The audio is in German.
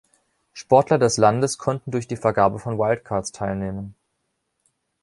Sportler des Landes konnten durch die Vergabe von Wildcards teilnehmen.